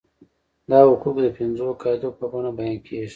دا حقوق د پنځو قاعدو په بڼه بیان کیږي.